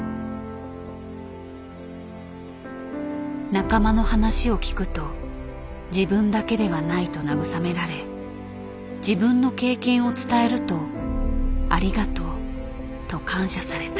仲間の話を聞くと自分だけではないと慰められ自分の経験を伝えると「ありがとう」と感謝された。